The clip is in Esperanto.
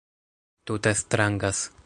Tute strangas